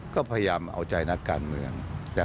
ก็พยายามเอาใจนักการเมือง